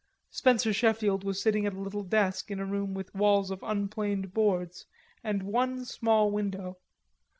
Spencer Sheffield was sitting at a little desk in a room with walls of unplaned boards and one small window.